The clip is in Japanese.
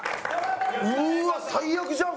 うわ最悪じゃん